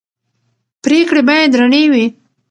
پرېکړې باید رڼې وي